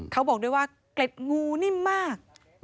เขาบอกด้วยว่าเกล็ดงูนิ่มมาก